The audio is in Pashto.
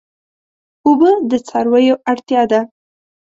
اوبه د څارویو اړتیا ده.